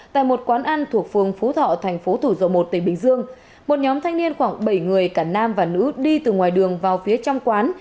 tại một quán ăn thuộc phường phú thọ thành phố thủ dầu một tỉnh bình dương một nhóm thanh niên khoảng bảy người cả nam và nữ đi từ ngoài đường vào phía trong quán